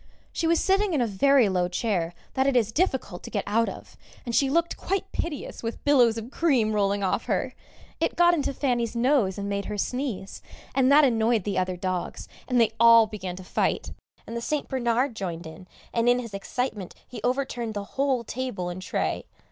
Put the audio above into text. She was sitting in a very low chair that it is difficult to get out of, and she looked quite piteous with billows of cream rolling off her; it got into Fanny's nose and made her sneeze, and that annoyed the other dogs, and they all began to fight, and the St. Bernard joined in, and in his excitement he overturned the whole table and tray.